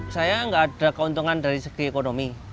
saya nggak ada keuntungan dari segi ekonomi